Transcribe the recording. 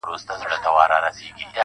د يو ښايستې سپيني كوتري په څېر.